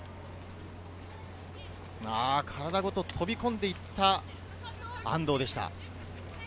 体ごと飛び込んでいった、安藤でした。